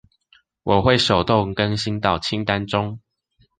我會手動更新到清單中